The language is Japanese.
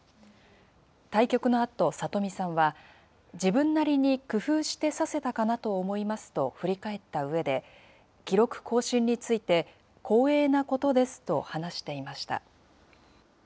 対局のあと、里見さんは、自分なりに工夫して指せたかなと思いますと振り返ったうえで、記録更新について、光栄なことですと話していました。